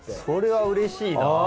それはうれしいな。